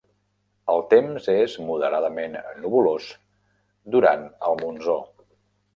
El temps és moderadament nuvolós durant el monsó.